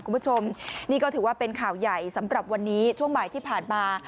คุณผู้ชมนี่ก็ถือว่าเป็นข่าวใหญ่สำหรับวันนี้ช่วงบ่ายที่ผ่านมา